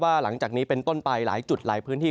หลังจากนี้เป็นต้นไปหลายจุดหลายพื้นที่